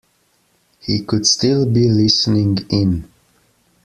He could still be listening in.